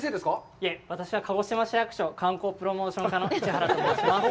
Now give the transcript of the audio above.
いえ、私は、鹿児島市役所、観光プロモーション課の市原と申します。